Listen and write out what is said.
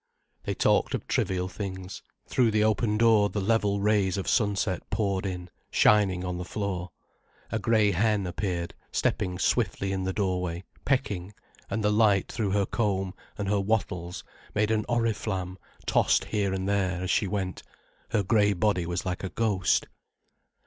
They talked of trivial things. Through the open door the level rays of sunset poured in, shining on the floor. A grey hen appeared stepping swiftly in the doorway, pecking, and the light through her comb and her wattles made an oriflamme tossed here and there, as she went, her grey body was like a ghost.